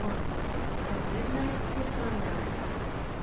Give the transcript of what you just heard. FROM MIDNIGHT TO SUNBISE.